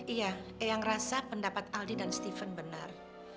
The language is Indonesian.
iya yang rasa pendapat aldi dan steven benar